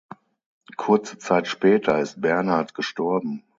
Kurze Zeit später ist Bernhard gestorben.